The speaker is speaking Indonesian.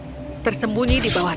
tempat taman tersembunyi di bawah